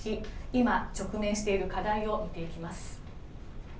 今、直面している課題を見ていきます。